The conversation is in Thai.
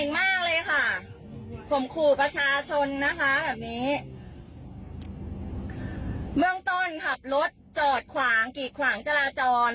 เบื้องต้นขับรถจอดขวางกีดขวางจราจร